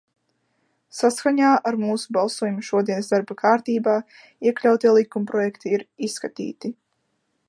Saskaņā ar mūsu balsojumu šodienas darba kārtībā iekļautie likumprojekti ir izskatīti.